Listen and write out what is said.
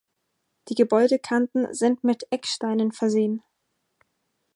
Die Gebäudekanten sind mit Ecksteinen versehen.